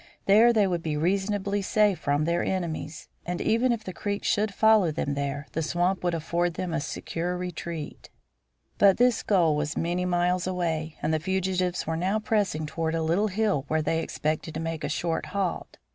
There they would be reasonably safe from the enemy, and even if the Creeks should follow them there, the swamp would afford them a secure retreat. But this goal was still many miles away, and the fugitives were now pressing toward a little hill, where they expected to make a short halt.